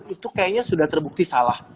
itu kayaknya sudah terbukti salah